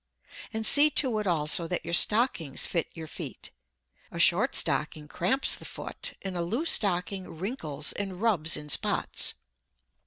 And see to it also that your stockings fit your feet. A short stocking cramps the foot, and a loose stocking wrinkles and rubs in spots.